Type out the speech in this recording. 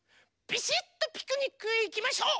ビシッとピクニックへいきましょう！